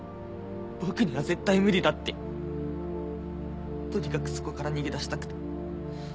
僕には絶対無理だってとにかくそこから逃げ出したくて。